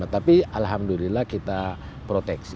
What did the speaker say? tapi alhamdulillah kita proteksi